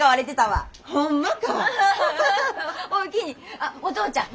あっお父ちゃん。